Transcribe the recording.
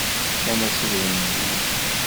Fkan-as idrimen-nni.